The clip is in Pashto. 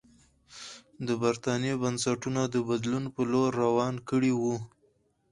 د برېټانیا بنسټونه د بدلون په لور روان کړي وو.